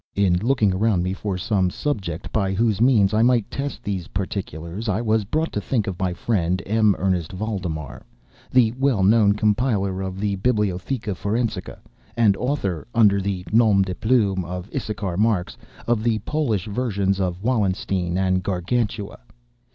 In looking around me for some subject by whose means I might test these particulars, I was brought to think of my friend, M. Ernest Valdemar, the well known compiler of the "Bibliotheca Forensica," and author (under the nom de plume of Issachar Marx) of the Polish versions of "Wallenstein" and "Gargantua."